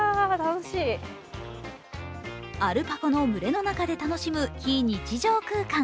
アルパカの群れの中で楽しむ非日常空間。